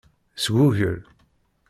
Sgugel.